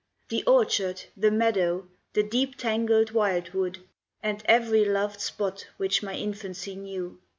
The orchard, the meadow, the deep tangled wild wood, And every loved spot which my infancy knew!